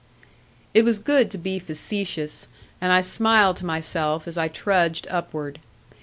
It was good to be facetious; and I smiled to myself as I trudged upward.